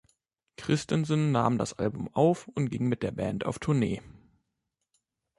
Christensen nahm das Album auf und ging mit der Band auf Tournee.